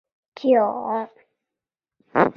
会议决定成立东北最高行政委员会。